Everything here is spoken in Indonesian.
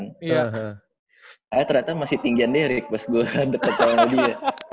kayaknya ternyata masih tinggi dari rik pas gue deket sama dia